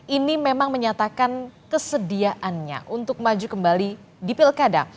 ini memang menyatakan kesediaannya untuk maju kembali di pilkada